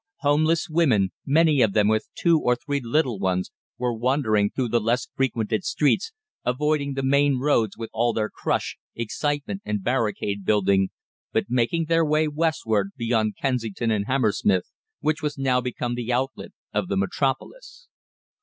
Homeless women, many of them with two or three little ones, were wandering through the less frequented streets, avoiding the main roads with all their crush, excitement, and barricade building, but making their way westward, beyond Kensington and Hammersmith, which was now become the outlet of the Metropolis.